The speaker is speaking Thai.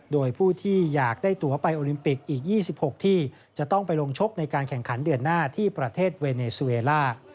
โดยผู้ที่อยากได้ตัวไปโอลิมปิกอีก๒๖ที่จะต้องไปลงชกในการแข่งขันเดือนหน้าที่ประเทศเวเนซูเอล่า